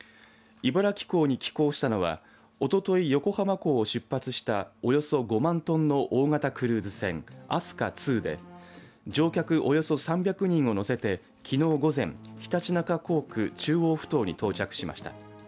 茨城港に寄港したのはおととい横浜港を出発したおよそ５万トンの大型クルーズ船、飛鳥２で乗客およそ３００人を乗せてきのう午前、常陸那珂港区中央ふ頭に到着しました。